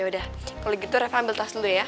ya udah kalau gitu reva ambil tas lo dulu ya